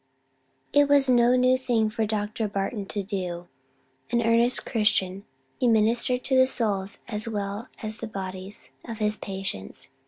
It was no new thing for Dr. Barton to do: an earnest Christian, he ministered to the souls as well as the bodies of his patients.